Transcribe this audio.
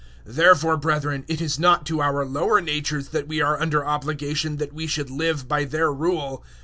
008:012 Therefore, brethren, it is not to our lower natures that we are under obligation that we should live by their rule.